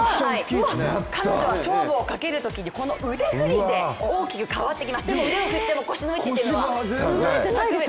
彼女は勝負をかけるときにこの腕振りで大きく変わってきます、でも、腕を振っても、腰の位置というのはぶれていないんです。